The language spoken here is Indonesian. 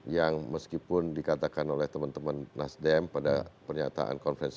yang meskipun dikatakan oleh teman teman nasdem pada pernyataan konferensi